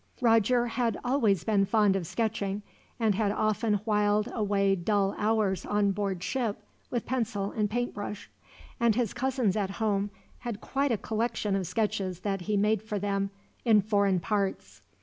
Roger had always been fond of sketching, and had often whiled away dull hours on board ship with pencil and paintbrush; and his cousins at home had quite a collection of sketches that he made for them in, foreign parts.